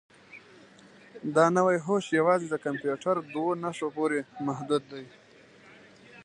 دا نوي هوښ یوازې د کمپیوټر دوو نښو پورې محدود دی.